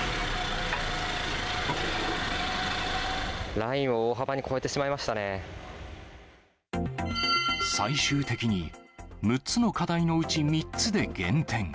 ラインを大幅に越えてしまい最終的に、６つの課題のうち３つで減点。